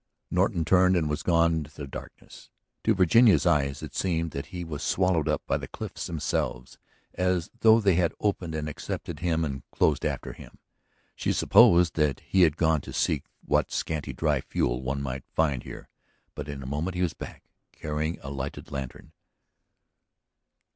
Norton turned and was gone in the darkness; to Virginia's eyes it seemed that he was swallowed up by the cliff's themselves, as though they had opened and accepted him and closed after him. She supposed that he had gone to seek what scanty dry fuel one might find here. But in a moment he was back carrying a lighted lantern.